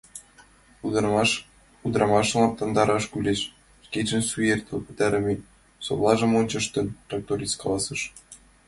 — Ӱдырым лыпландараш кӱлеш, — шкенжын сӱретлыл пытарыме совлажым ончыштын, тракторист каласыш.